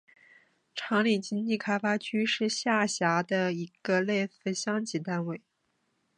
长岭经济开发区是下辖的一个类似乡级单位。